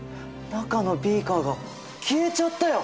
中のビーカーが消えちゃったよ！